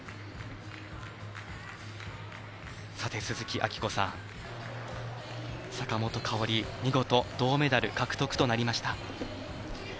鈴木明子さん、坂本花織が見事銅メダル獲得となりました。